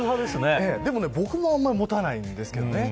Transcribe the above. でもね、僕もあんまり持たないんですけどね。